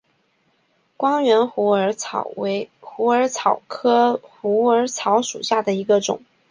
光缘虎耳草为虎耳草科虎耳草属下的一个种。